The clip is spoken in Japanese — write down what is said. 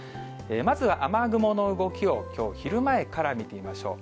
まずは雨雲の動きを、きょう昼前から見てみましょう。